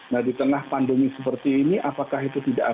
nah di tengah pandemi seperti ini apakah itu terjadi